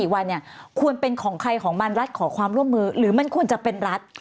๔วันควรเป็นของใครของมันรัฐขอความร่วมมือหรือมันควรจะเป็นรัฐ